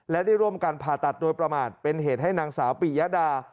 และได้ร่วมกันผ่าตัดโดยประมาทเป็นเหตุให้นางสาวปียดา